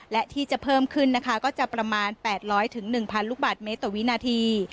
และที่จะเพิ่มขึ้นนะคะก็จะประมาณ๘๐๐๑๐๐ลูกบาทเมตรต่อวินาที